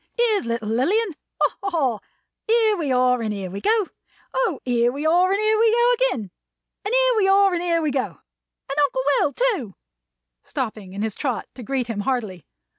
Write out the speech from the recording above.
"Here's little Lilian! Ha, ha, ha! Here we are and here we go! O, here we are and here we go again! And here we are and here we go! And Uncle Will, too!" Stopping in his trot to greet him heartily.